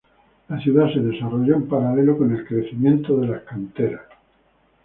La ciudad se desarrolló en paralelo con el crecimiento de las canteras.